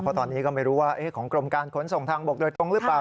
เพราะตอนนี้ก็ไม่รู้ว่าของกรมการขนส่งทางบกโดยตรงหรือเปล่า